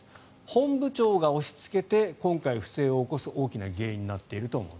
本部長が押しつけて今回、不正を起こす大きな原因になっていると思うと。